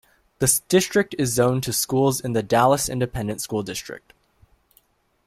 The district is zoned to schools in the Dallas Independent School District.